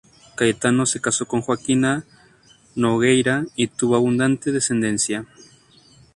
Cayetano se casó con Joaquina Nogueira y tuvo abundante descendencia.